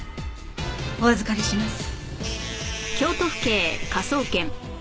お預かりします。